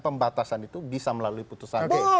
pembatasan itu bisa melalui putusan d